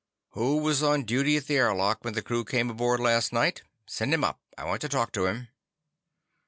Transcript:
"Who was on duty at the airlock when the crew came aboard last night? Send him up. I want to talk to him."